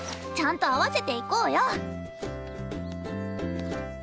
ちゃんと合わせて行こうよ。